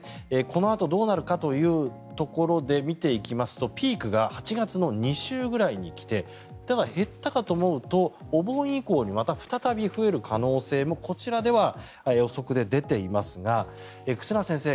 このあとどうなるかというところで見ていきますとピークが８月の２週ぐらいに来てただ、減ったかと思うとお盆以降にまた再び増える可能性もこちらでは予測で出ていますが忽那先生